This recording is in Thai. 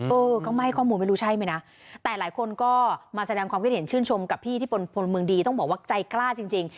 เออก็ไม่ให้ข้อมูลไม่รู้ใช่ไหมนะแต่หลายคนก็มาแสดงความคิดเห็นชื่นชมกับพี่ที่เป็นพลเมืองดีต้องบอกว่าใจกล้าจริงจริง